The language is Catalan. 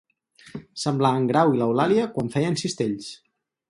Semblar en Grau i l'Eulàlia quan feien cistells.